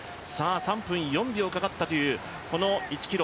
３分４秒かかったという１ｋｍ。